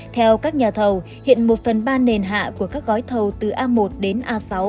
theo các nhà thầu hiện một phần ba nền hạ của các gói thầu từ a một đến a sáu